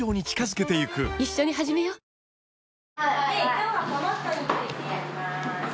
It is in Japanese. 今日はこの人についてやります。